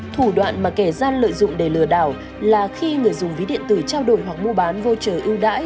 thủ đoạn mà kẻ gian lợi dụng để lừa đảo là khi người dùng ví điện tử trao đổi hoặc mua bán vô trợ ưu đãi